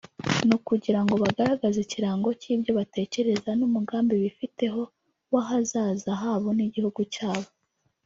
ni ukugira ngo bagaragaze ikirango cy’ibyo batekereza n’umugambi bifiteho w’ahazaza habo n’igihugu cyabo